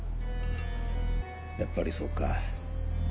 やっぱりそうか。